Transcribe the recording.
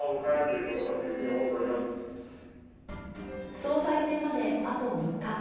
総裁選まであと３日。